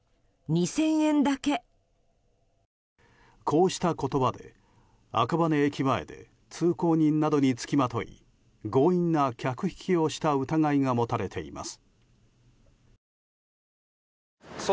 こうした言葉で赤羽駅前で通行人などに付きまとい強引な客引きをした疑いが持たれています。